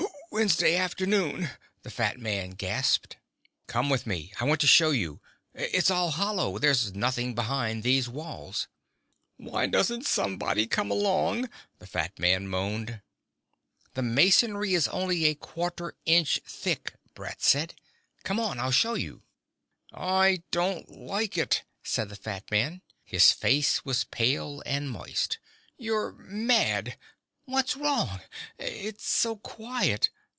"Wednesday afternoon," the fat man gasped. "Come with me. I want to show you. It's all hollow. There's nothing behind these walls " "Why doesn't somebody come along?" the fat man moaned. "The masonry is only a quarter inch thick," Brett said. "Come on; I'll show you." "I don't like it," said the fat man. His face was pale and moist. "You're mad. What's wrong? It's so quiet